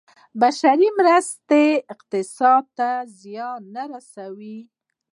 بشري مرستې اقتصاد ته زیان نه رسوي.